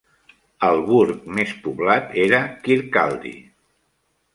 El burg més poblat era Kirkcaldy.